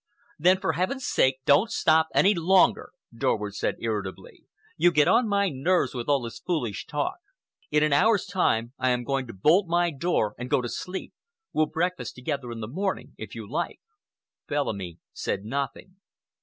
"Then, for Heaven's sake, don't stop any longer!" Dorward said irritably. "You get on my nerves with all this foolish talk. In an hour's time I am going to bolt my door and go to sleep. We'll breakfast together in the morning, if you like." Bellamy said nothing.